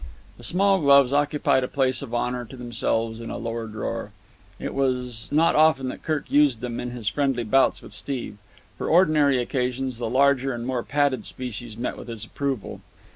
The small gloves occupied a place of honour to themselves in a lower drawer. It was not often that Kirk used them in his friendly bouts with Steve. For ordinary occasions the larger and more padded species met with his approval.